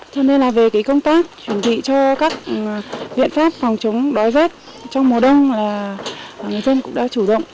cho nên là về công tác chuẩn bị cho các biện pháp phòng chống đói rét trong mùa đông là người dân cũng đã chủ động